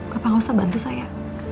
kapan gak usah bantu saya